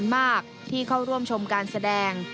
และร่วมชมการแสดง